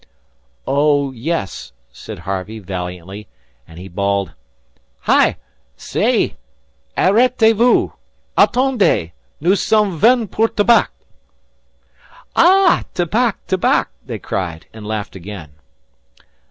"Oh, yes," said Harvey valiantly; and he bawled: "Hi! Say! Arretez vous! Attendez! Nous sommes venant pour tabac." "Ah, tabac, tabac!" they cried, and laughed again.